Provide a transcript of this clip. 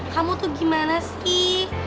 kamu tuh gimana sih